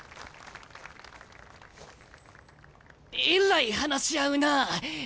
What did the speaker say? えらい話し合うなあ。